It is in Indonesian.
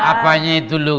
apanya itu lu